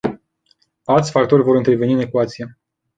Alți factori vor interveni în ecuație.